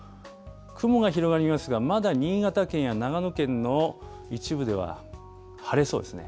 雲が広がりますが、まだ新潟県や長野県の一部では晴れそうですね。